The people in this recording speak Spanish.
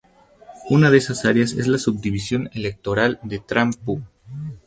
Una de esas áreas es la subdivisión electoral de Tran Phu.